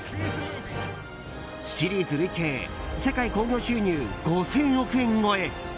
シリーズ累計世界興行収入５０００億円超え。